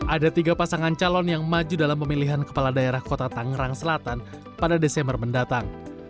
ada tiga pasangan calon yang maju dalam pemilihan kepala daerah kota tangerang selatan pada desember mendatang